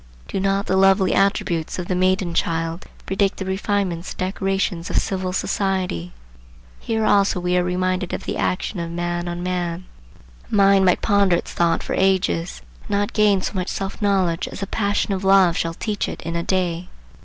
Do not the lovely attributes of the maiden child predict the refinements and decorations of civil society? Here also we are reminded of the action of man on man. A mind might ponder its thought for ages and not gain so much self knowledge as the passion of love shall teach it in a day.